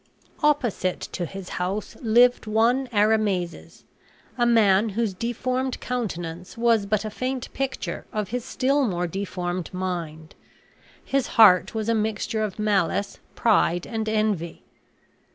Opposite to his house lived one Arimazes, a man whose deformed countenance was but a faint picture of his still more deformed mind. His heart was a mixture of malice, pride, and envy.